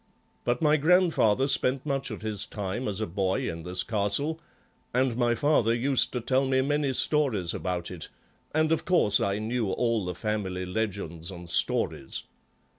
But my grandfather spent much of his time as a boy in this castle, and my father used to tell me many stories about it, and, of course, I knew all the family legends and stories.